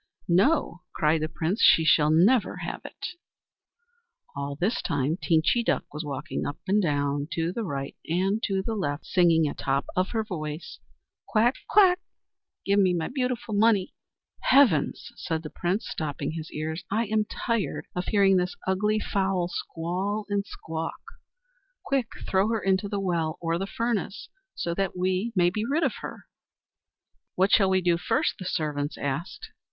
"No," cried the Prince, "she shall never have it!" All this time Teenchy Duck was walking up and down, to the right and to the left, singing at the top of her voice: "Quack! quack! Give me back my beautiful money!" "Heavens!" said the Prince, stopping his ears, "I am tired of hearing this ugly fowl squall and squawk. Quick! throw her into the well or the furnace, so that we may be rid of her." "What shall we do first?" the servants asked.